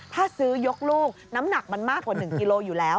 ถ้าซื้อยกลูกน้ำหนักมันมากกว่า๑กิโลอยู่แล้ว